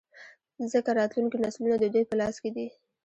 ځـکـه راتـلونکي نـسلونه د دوي پـه لاس کـې دي.